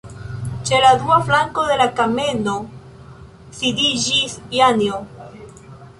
Ĉe la dua flanko de la kameno sidiĝis Janjo.